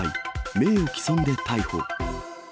名誉毀損で逮捕。